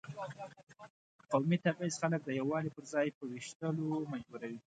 قومي تبعیض خلک د یووالي پر ځای په وېشلو مجبوروي.